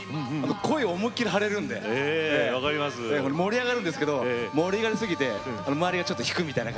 声を思い切り張れるので盛り上がるんですけど盛り上がりすぎて周りがちょっと引くみたいな。